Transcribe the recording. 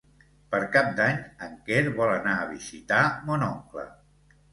Per Cap d'Any en Quer vol anar a visitar mon oncle.